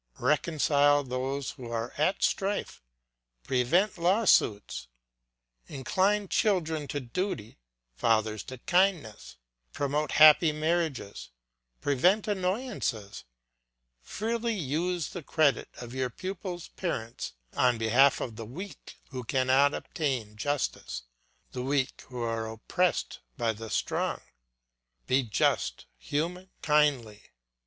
Reconcile those who are at strife, prevent lawsuits; incline children to duty, fathers to kindness; promote happy marriages; prevent annoyances; freely use the credit of your pupil's parents on behalf of the weak who cannot obtain justice, the weak who are oppressed by the strong. Be just, human, kindly.